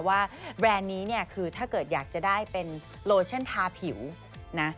ว่าแบรนด์นี้คือถ้าเกิดอยากจะได้เป็นโลเชนทาผิวนะ